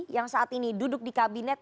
yang saat ini duduk di kabinet